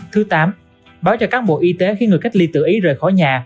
thứ tám báo cho cán bộ y tế khi người cách ly tự ý rời khỏi nhà